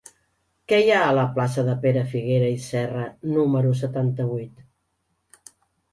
Què hi ha a la plaça de Pere Figuera i Serra número setanta-vuit?